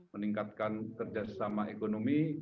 meningkatkan kerjasama ekonomi